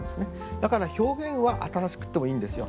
だから表現は新しくてもいいんですよ。